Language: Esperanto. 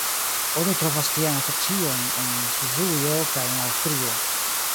Oni trovas tiajn asociojn en Svisujo kaj en Aŭstrio.